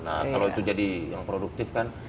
nah kalau itu jadi yang produktif kan